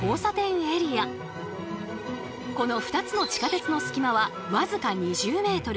この２つの地下鉄の隙間は僅か２０ｍ。